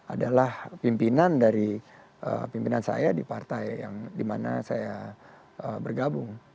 adalah pimpinan dari pimpinan saya di partai yang dimana saya bergabung